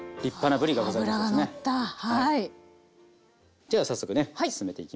じゃあ早速ね進めていきます。